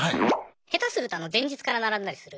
下手すると前日から並んだりする。